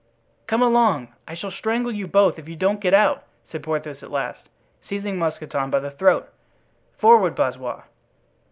"Come along! I shall strangle you both if you don't get out," said Porthos at last, seizing Mousqueton by the throat. "Forward, Blaisois!"